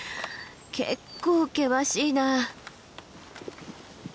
結構険しいな。